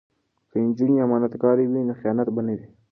که نجونې امانتکارې وي نو خیانت به نه وي.